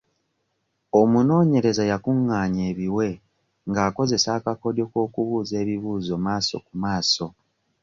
Omunoonyereza yakungaanya ebiwe ng'akozesa akakodyo k'okubuuza ebibuuzo maaso ku maaso.